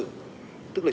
tức là trung tâm